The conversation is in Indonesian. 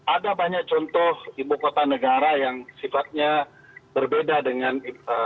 ada banyak contoh ibu kota negara yang sifatnya berbeda dengan